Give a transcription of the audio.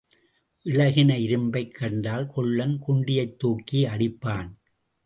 இளகின இரும்பைக் கண்டால் கொல்லன் குண்டியைத் தூக்கி அடிப்பான்.